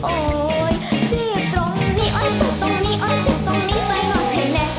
โอ๊ยเจ็บตรงนี้โอ๊ยเจ็บตรงนี้โอ๊ยเจ็บตรงนี้ใส่หนวดให้แน่